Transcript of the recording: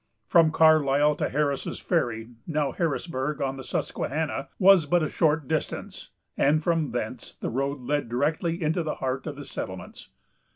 From Carlisle to Harris's Ferry, now Harrisburg, on the Susquehanna, was but a short distance; and from thence, the road led directly into the heart of the settlements.